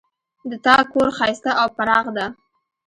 د تا کور ښایسته او پراخ ده